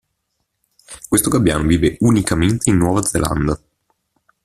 Questo gabbiano vive unicamente in Nuova Zelanda.